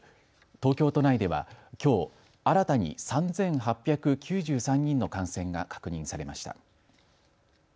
東京都内ではきょう新たに３８９３人の感染が確認されました。